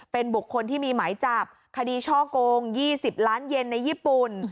เป็นบุคคลที่มีหมายจับคดีช่อกง๒๐ล้านเย็นในญี่ปุ่น